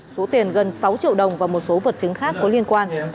số tiền gần sáu triệu đồng và một số vật chứng khác có liên quan